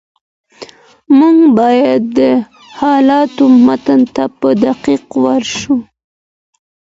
موږ بايد د حالاتو متن ته په دقت ورشو.